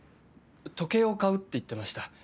時計を買うって言ってました。